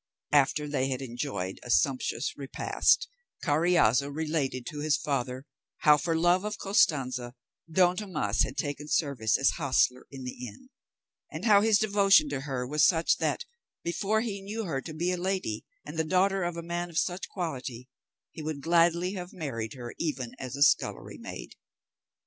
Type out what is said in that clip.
After they had enjoyed a sumptuous repast, Carriazo related to his father how, for love of Costanza, Don Tomas had taken service as hostler in the inn, and how his devotion to her was such that, before he knew her to be a lady, and the daughter of a man of such quality, he would gladly have married her even as a scullery maid.